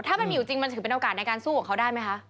ถ้ามันมีอยู่จริงมันถือเป็นโอกาสในการสู้ของเขาได้ไหมคะ